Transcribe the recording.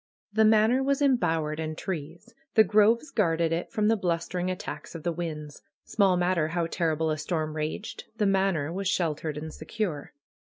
The Manor was embowered in trees. The groves guarded it from the blustering attacks of the winds. ue THE KNELL OF NAT PAGAN Small matter how terrible a storm raged, the Manor was sheltered and secure.